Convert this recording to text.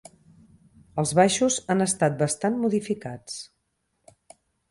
Els baixos han estat bastant modificats.